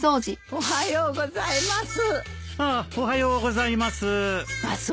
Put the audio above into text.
・おはようございます。